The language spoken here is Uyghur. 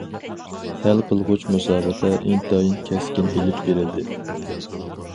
ھەل قىلغۇچ مۇسابىقە ئىنتايىن كەسكىن ئېلىپ بېرىلدى.